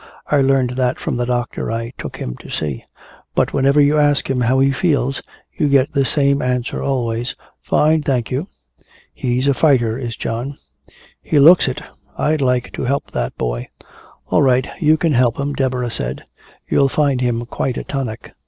I learned that from the doctor I took him to see. But whenever you ask him how he feels you get the same answer always: 'Fine, thank you.' He's a fighter, is John." "He looks it. I'd like to help that boy " "All right you can help him," Deborah said. "You'll find him quite a tonic."